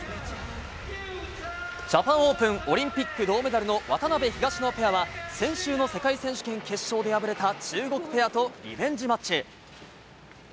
ジャパンオープン、オリンピック銅メダルの渡辺・東野ペアは先週の世界選手権決勝で敗れた中国ペアとリベンジマッチ。